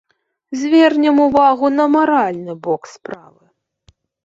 Звернем увагу на маральны бок справы.